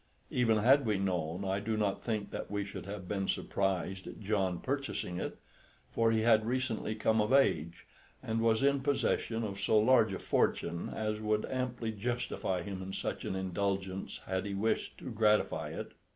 Even had we known, I do not think that we should have been surprised at John purchasing it; for he had recently come of age, and was in possession of so large a fortune as would amply justify him in such an indulgence had he wished to gratify it.